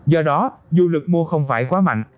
do đó dù lực mua không phải quá mạnh